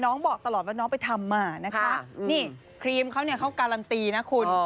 บอกตลอดว่าน้องไปทำมานะคะนี่ครีมเขาเนี่ยเขาการันตีนะคุณ